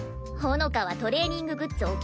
ほのかはトレーニンググッズ